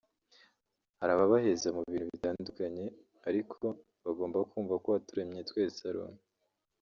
hari ababaheza mu bintu bitandukanye ariko bagomba kumva ko uwaturemye twese ari umwe